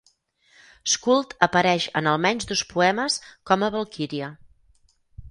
Skuld apareix en al menys dos poemes com a Valquíria.